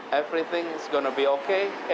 semuanya akan baik baik saja